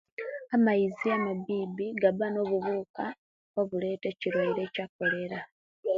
Amaizi amabibi gabamu obubuka obuleta obulwaire obwa kolera